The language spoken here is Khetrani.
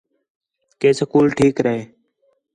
کہ سکول ٹھیک رہے